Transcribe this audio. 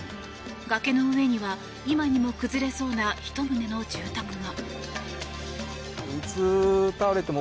崖の上には、今にも崩れそうな１棟の住宅が。